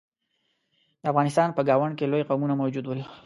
د افغانستان په ګاونډ کې لوی قومونه موجود ول.